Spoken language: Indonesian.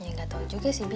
ya gak tau juga sih bi